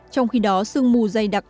trong khi đó sương mù dày đặc